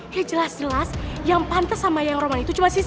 ya jelas jelas yang pantas sama yang roman itu cuma sih